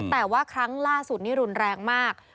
แต่ว่าครั้งล่าสุดนี้รุนแรงมาก